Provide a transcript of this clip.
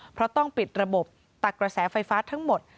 เพราะต้องปิดระบบตักกระแสไฟฟ้าทั้งหมด